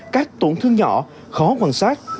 các tổn thương nhỏ khó quan sát